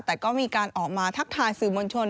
แต่ก็มีการออกมาทักทายสื่อมวลชน